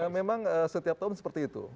memang setiap tahun seperti itu